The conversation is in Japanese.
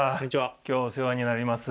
今日お世話になります。